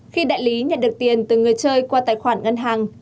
khi đại lý nhận được tiền từ người chơi qua tài khoản ngân hàng